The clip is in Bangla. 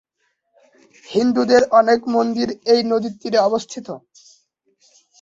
হিন্দুদের অনেক মন্দির এই নদীর তীরে অবস্থিত।